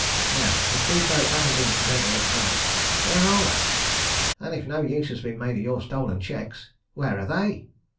Now if those notes haven't been presented at the Bank where are they? And if no use has been made of your stolen cheques where are they?"